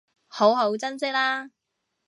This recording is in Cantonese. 好好珍惜喇